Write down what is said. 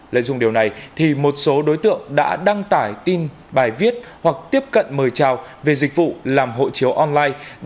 lợi dụng điều này thì một số đối tượng đã đăng tải tin bài viết hoặc tiếp cận mời trào về dịch vụ làm hộ chiếu online